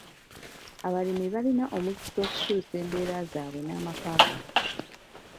Abalimi balina omukisa okukyusa embeera zaabwe n'amaka gaabwe.